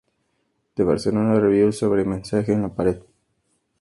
The Barcelona Review sobre "Mensajes en la pared".